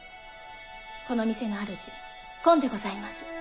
この店の主こんでございます。